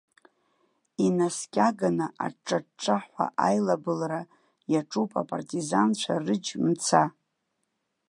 Инаскьаганы, аҿҿа-ҿҿаҳәа аилабылра иаҿуп апартизанцәа рыџь-мца.